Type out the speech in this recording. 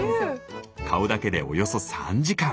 顔だけでおよそ３時間。